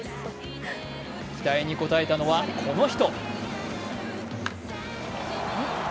期待に応えたのはこの人。